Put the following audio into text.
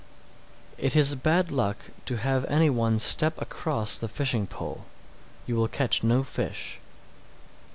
It is bad luck to have any one step across the fishing pole; you will catch no fish.